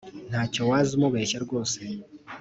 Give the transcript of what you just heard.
Ntacyo waza umubeshya rwose